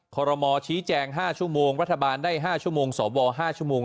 ขอรมอชี้แจง๕ชั่วโมงรัฐบาลได้๕ชั่วโมงสว๕ชั่วโมง